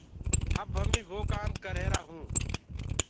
اب همي وو ڪآم ڪر رهيرآ هونٚ۔